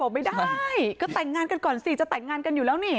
ไม่ได้ก็แต่งงานกันก่อนสิจะแต่งงานกันอยู่แล้วนี่